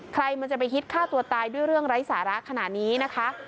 ใครมันจะไปฮิตฆ่าตัวตายด้วยเรื่องไร้สาระขนาดนี้นะคะ